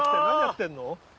何やってんの？？